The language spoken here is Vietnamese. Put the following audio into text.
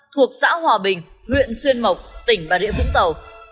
thuộc xã hòa bình huyện xuyên mộc tỉnh bà rịa vũng tàu